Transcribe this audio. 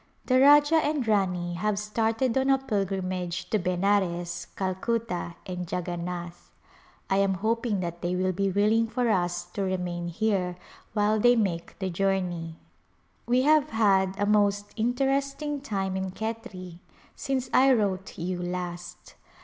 The Rajah and Rani have started on a pilgrimage to Benares, Calcutta and Jaganath. I am hoping that they will be willing for us to remain here while they make the journey. We have had a most interesting time in Khetri since I wrote you last.